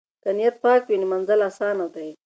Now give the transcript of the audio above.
که نیت پاک وي نو منزل آسانه دی.